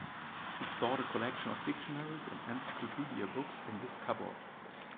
She stored a collection of dictionaries and encyclopedia books in this cupboard.